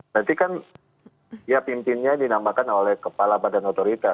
nanti kan ya pimpinnya dinamakan oleh kepala pada notorita